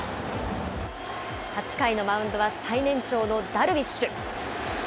８回のマウンドは最年長のダルビッシュ。